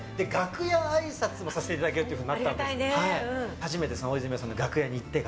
初めて大泉洋さんの楽屋に行って。